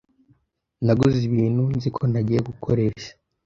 Naguze ibintu nzi ko ntagiye gukoresha.